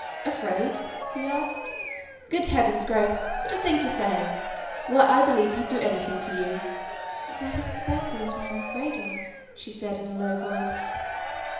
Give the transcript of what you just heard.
"Afraid?" he asked. "Good heavens, Grace, what a thing to say! Why I believe he'd do anything for you." "That is exactly what I am afraid of," she said in a low voice.